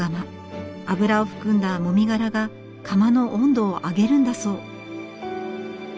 油を含んだもみ殻が釜の温度を上げるんだそう。